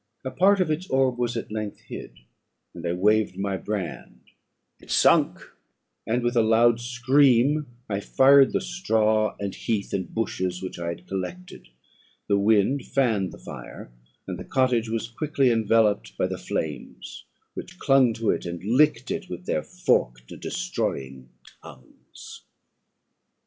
A part of its orb was at length hid, and I waved my brand; it sunk, and, with a loud scream, I fired the straw, and heath, and bushes, which I had collected. The wind fanned the fire, and the cottage was quickly enveloped by the flames, which clung to it, and licked it with their forked and destroying tongues.